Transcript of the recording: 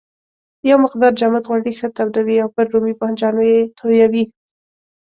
یو مقدار جامد غوړي ښه تودوي او پر رومي بانجانو یې تویوي.